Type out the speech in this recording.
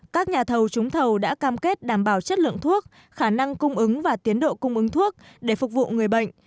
các nhà thầu trúng thầu đã cam kết đảm bảo chất lượng thuốc khả năng cung ứng và tiến độ cung ứng thuốc để phục vụ người bệnh